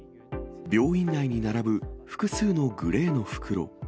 病院内に並ぶ複数のグレーの袋。